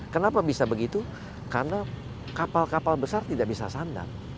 kenapa bisa begitu karena kapal kapal besar tidak bisa sandar